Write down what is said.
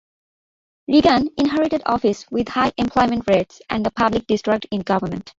Reagan inherited office with high unemployment rates and a public distrust in government.